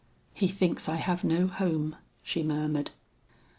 "He thinks I have no home," she murmured.